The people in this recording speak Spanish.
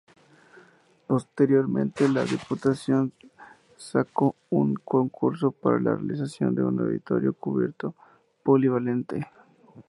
Posteriormente, Diputación sacó un concurso para la realización de un auditorio cubierto polivalente.